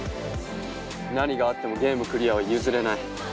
何があってもゲームクリアは譲れない！